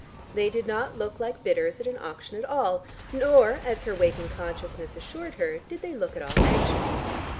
They did not look like bidders at an auction at all, nor, as her waking consciousness assured her, did they look at all anxious.